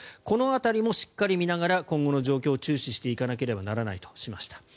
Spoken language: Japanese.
この辺りもしっかり見ながら今後の状況を注視していなかければならないとしました。